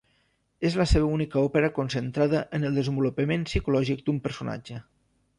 És la seva única òpera concentrada en el desenvolupament psicològic d'un personatge.